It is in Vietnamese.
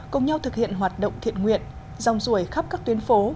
cùng nhau thực hiện hoạt động thiện nguyện dòng ruồi khắp các tuyến phố